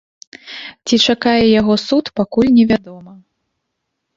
Ці чакае яго суд, пакуль невядома.